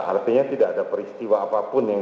artinya tidak ada peristiwa apapun yang